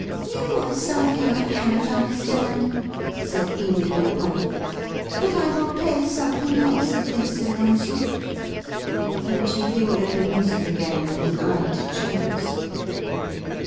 You are something I cannot imderstand," said Enid Wimpole. "But I will play something else, if this annoys you." And she fingered the music again with an eye to choice.